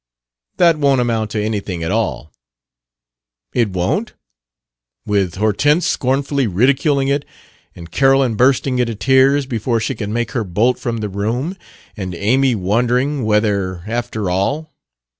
"That won't amount to anything at all." "It won't? With Hortense scornfully ridiculing it, and Carolyn bursting into tears before she can make her bolt from the room, and Amy wondering whether, after all...!